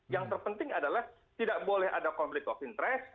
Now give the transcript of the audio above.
yang terpenting adalah tidak boleh ada konflik of interest